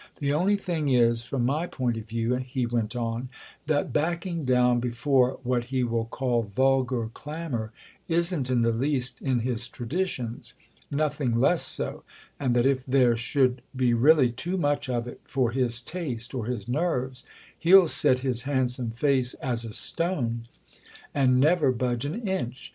The only thing is—from my point of view," he went on—"that backing down before what he will call vulgar clamour isn't in the least in his traditions, nothing less so; and that if there should be really too much of it for his taste or his nerves he'll set his handsome face as a stone and never budge an inch.